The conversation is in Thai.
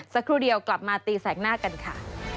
สักครู่เดียวกลับมาตีแสกหน้ากันค่ะ